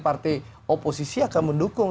partai oposisi akan mendukung